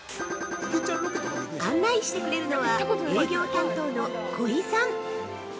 案内してくれるのは、営業担当の己斐さん。